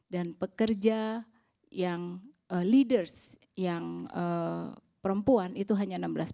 dan pekerja yang leaders yang perempuan itu hanya enam belas